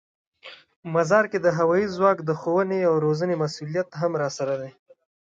مزار کې د هوايي ځواک د ښوونې او روزنې مسوولیت هم راسره دی.